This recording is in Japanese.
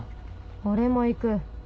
俺も行く。